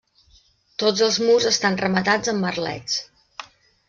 Tots els murs estan rematats amb merlets.